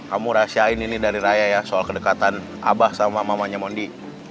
kamu rahasiain ini dari raya ya soal kedekatan abah sama mamanya mondi